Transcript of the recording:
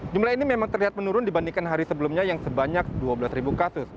jumlah ini memang terlihat menurun dibandingkan hari sebelumnya yang sebanyak dua belas kasus